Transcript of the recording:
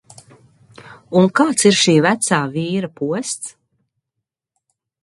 Un kāds ir šī vecā vīra posts?